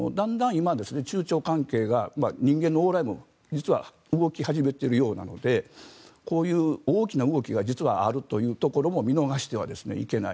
今、中朝関係が人間の往来も実は動き始めているようなのでこういう大きな動きが実はあるというところも見逃してはいけない。